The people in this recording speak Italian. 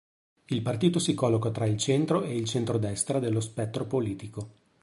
Il partito si colloca tra il Centro e il Centro-destra dello spettro politico.